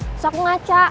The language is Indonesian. terus aku ngaca